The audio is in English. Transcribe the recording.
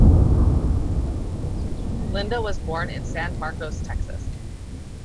Lynda was born in San Marcos, Texas.